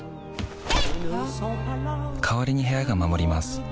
代わりに部屋が守ります